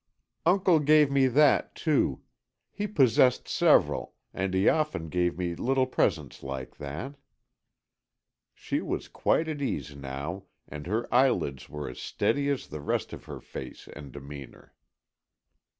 "Uncle gave me that, too. He possessed several, and he often gave me little presents like that." She was quite at ease now, and her eyelids were as steady as the rest of her face and demeanour.